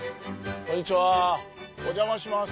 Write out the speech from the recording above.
こんにちはお邪魔します。